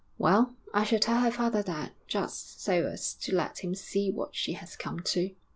Well, I shall tell her father that, just so as to let him see what she has come to.'...